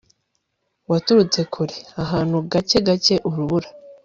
waturutse kure, ahantu gake gake urubura